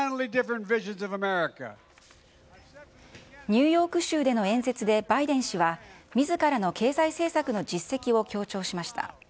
ニューヨーク州での演説で、バイデン氏は、みずからの経済政策の実績を強調しました。